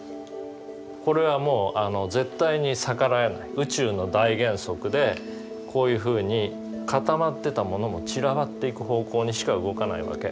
これはもう絶対に逆らえない宇宙の大原則でこういうふうに固まってたものも散らばっていく方向にしか動かないわけ。